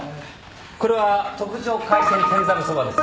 これは特上海鮮天ざるそばです。